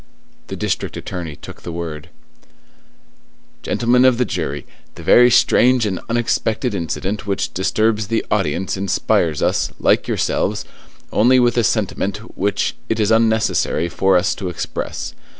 The district attorney took the word:— "Gentlemen of the jury, the very strange and unexpected incident which disturbs the audience inspires us, like yourselves, only with a sentiment which it is unnecessary for us to express.